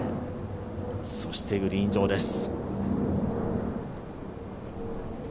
そしてグリーン上です。